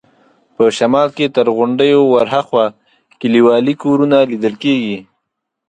په شمال کې تر غونډیو ورهاخوا کلیوالي کورونه لیدل کېده.